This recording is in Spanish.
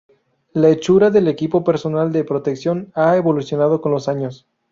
La hechura del equipo personal de protección ha evolucionado con los años.